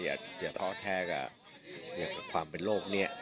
อย่าท้อแท้กับความเป็นโรคนี้